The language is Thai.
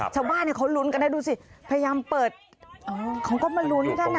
ชาวบ้านเขาลุ้นกันนะดูสิพยายามเปิดเขาก็มาลุ้นกันอ่ะ